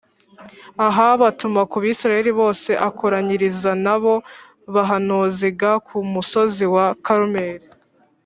Ahabu atuma ku Bisirayeli bose akoranyiriza n abo bahanuzi g ku musozi wa Karumeli